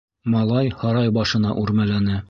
Малай һарай башына үрмәләне.